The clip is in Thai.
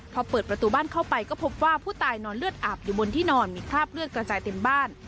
พอเปิดประตูบ้านเข้าไปก็พบว่าผู้ตายนอนเลือดอาบอยู่บนที่นอนมีคราบเลือดกระจายเต็มบ้าน